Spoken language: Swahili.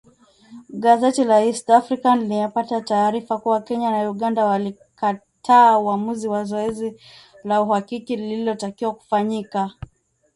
Gazeti la East African limepata taarifa kuwa Kenya na Uganda walikataa uamuzi wa zoezi la uhakiki lililotakiwa kufanyika